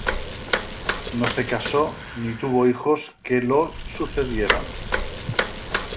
No se casó ni tuvo hijos que lo sucedieran.